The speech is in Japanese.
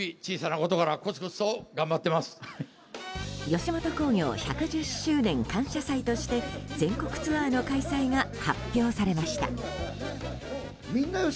吉本興業１１０周年感謝祭として全国ツアーの開催が発表されました。